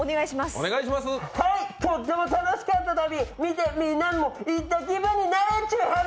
とっても楽しかった旅、見て、みんなも行った気分になれって話。